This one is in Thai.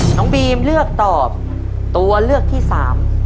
น้องบีมเลือกตอบตัวเลือกที่สาม